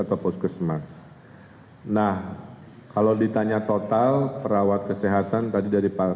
atau puskesmas nah kalau ditanya total perawat kesehatan tadi dari pak